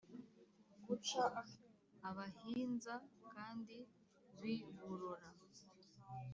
abahinza kandi b'i burora